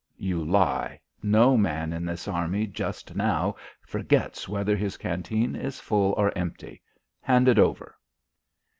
"You lie; no man in this Army just now forgets whether his canteen is full or empty. Hand it over."